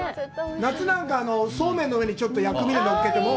夏なんか、そうめんの上に薬味で乗っけても。